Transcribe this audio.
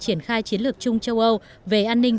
triển khai chiến lược chung châu âu về an ninh